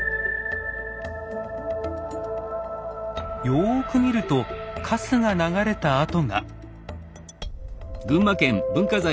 よく見るとかすが流れた跡が。